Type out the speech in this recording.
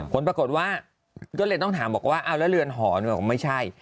ผลปรากฏว่าก็เลยต้องถามบอกว่าเอาแล้วเรือนหอนบอกไม่ใช่